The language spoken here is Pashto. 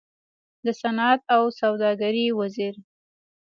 د صنعت او سوداګرۍ وزير